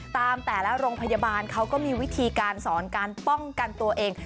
แต่ละโรงพยาบาลเขาก็มีวิธีการสอนการป้องกันตัวเอง